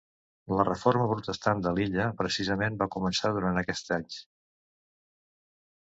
La reforma protestant de l'illa, precisament, va començar durant aquests anys.